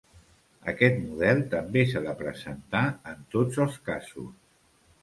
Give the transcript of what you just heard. Aquest model també s'ha de presentar en tots els casos.